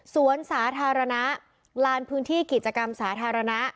สวนสาธารณะลานพื้นที่กิจกรรมสาธารณะ